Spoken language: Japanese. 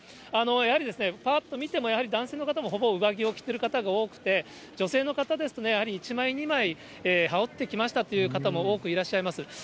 やはりですね、ぱーっと見ても、やはり男性の方も、ほぼ上着を着ている方も多くて、女性の方ですとね、やはり１枚、２枚羽織ってきましたという方も多くいらっしゃいます。